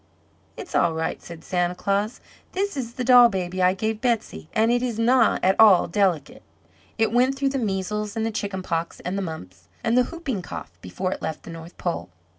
"It's all right," said Santa Claus. "This is the doll baby I gave Betsey, and it is not at all delicate. It went through the measles, and the chicken pox, and the mumps, and the whooping cough, before it left the North Pole.